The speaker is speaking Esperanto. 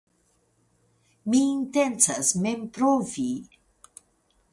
Mi intencas mem provi?